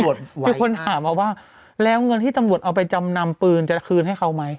คือคนถามมาว่าแล้วเงินที่ตำรวจเอาไปจำนำปืนจะคืนให้เขาไหม